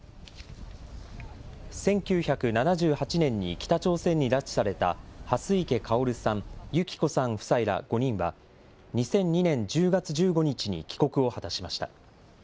１９７８年に北朝鮮に拉致された蓮池薫さん、祐木子さん夫妻ら５人は、２００２年１０月１５日に帰国を果たしました。